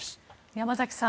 山崎さん